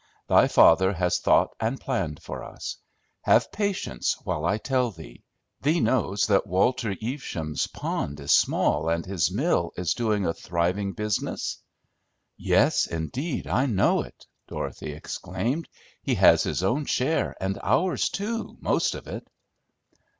Thy father has thought and planned for us. Have patience while I tell thee. Thee knows that Walter Evesham's pond is small and his mill is doing a thriving business?" "Yes, indeed, I know it!" Dorothy exclaimed. "He has his own share, and ours too, most of it!"